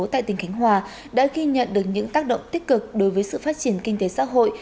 tại tỉnh khánh hòa đã ghi nhận được những tác động tích cực đối với sự phát triển kinh tế xã hội